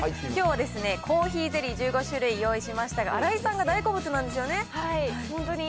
きょうはコーヒーゼリー１５種類用意しましたが、新井さんが大好物なんですよね。